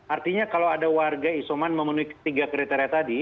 artinya kalau ada warga isoman memenuhi tiga kriteria tadi